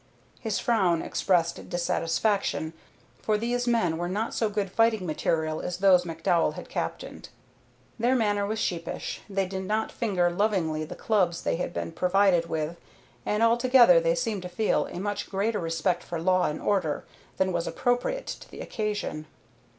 His frown expressed dissatisfaction, for these men were not so good fighting material as those McDowell had captained. Their manner was sheepish; they did not finger lovingly the clubs they had been provided with, and altogether they seemed to feel a much greater respect for law and order than was appropriate to the occasion.